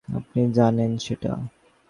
আপনি জানেন সেটা।